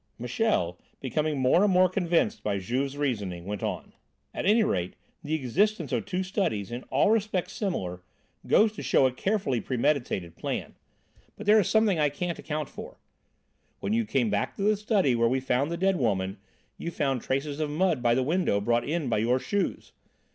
Michel, becoming more and more convinced by Juve's reasoning, went on: "At any rate, the existence of two studies, in all respects similar, goes to show a carefully premeditated plan, but there is something I can't account for. When you came back to the study where we found the dead woman, you found traces of mud by the window brought in by your shoes.